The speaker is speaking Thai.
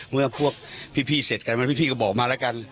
เมื่อพวกพี่พี่เสร็จกันเมื่อพี่พี่ก็บอกมาแล้วกัน